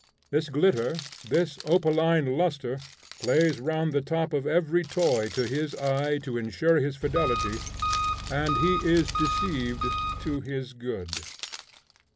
This glitter, this opaline lustre plays round the top of every toy to his eye to insure his fidelity, and he is deceived to his good.